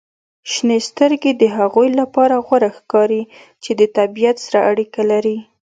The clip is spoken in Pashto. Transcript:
• شنې سترګې د هغوی لپاره غوره ښکاري چې د طبیعت سره اړیکه لري.